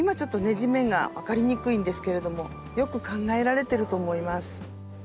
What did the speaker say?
地面が分かりにくいんですけれどもよく考えられてると思います。